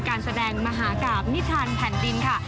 การแสดงมหากราบนิทานแผ่นดินค่ะ